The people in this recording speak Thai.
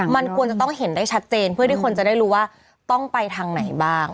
มันควรจะต้องเห็นได้ชัดเจนเพื่อที่คนจะได้รู้ว่าต้องไปทางไหนบ้าง